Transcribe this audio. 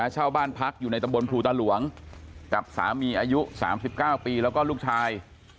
เช่าบ้านพักอยู่ในตำบลภูตาหลวงกับสามีอายุ๓๙ปีแล้วก็ลูกชาย